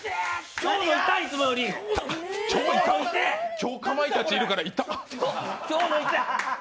今日、かまいたちいるから痛っ！